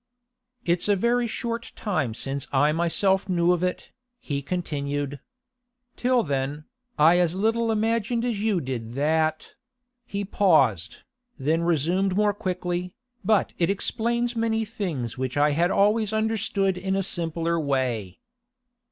'It's a very short time since I myself knew of it,' he continued. 'Till then, I as little imagined as you did that—' He paused, then resumed more quickly, 'But it explains many things which I had always understood in a simpler way.